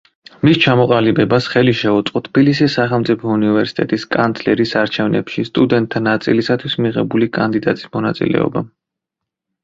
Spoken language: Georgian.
მის ჩამოყალიბებას ხელი შეუწყო თბილისის სახელმწიფო უნივერსიტეტის კანცლერის არჩევნებში სტუდენტთა ნაწილისათვის მიუღებელი კანდიდატის მონაწილეობამ.